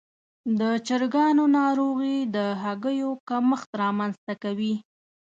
د چرګانو ناروغي د هګیو کمښت رامنځته کوي.